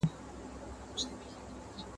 زر په اور کي هم نه خرابېږي !.